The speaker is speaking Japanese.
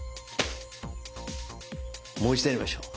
もう一度やりましょう。